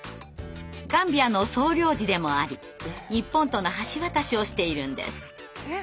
ガンビアの総領事でもあり日本との橋渡しをしているんです。